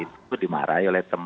itu dimarahi oleh teman